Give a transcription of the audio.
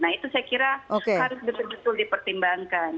nah itu saya kira harus betul betul dipertimbangkan